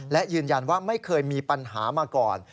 และยืนยันว่าไม่เคยมีปัญหามาก่อน